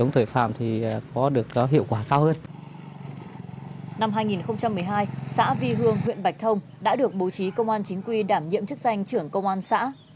năm hai nghìn một mươi hai xã vi hương huyện bạch thông đã được bố trí công an chính quy đảm nhiệm chức danh trưởng công an xã